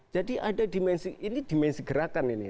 jadi ada dimensi ini dimensi gerakan ini